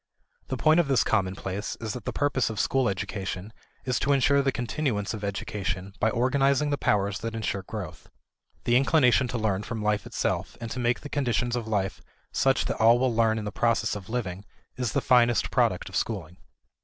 The point of this commonplace is that the purpose of school education is to insure the continuance of education by organizing the powers that insure growth. The inclination to learn from life itself and to make the conditions of life such that all will learn in the process of living is the finest product of schooling.